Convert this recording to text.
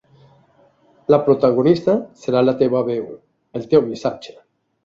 La protagonista serà la teva veu, el teu missatge.